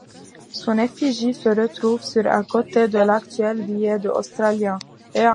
Son effigie se retrouve sur un côté de l'actuel billet de australiens.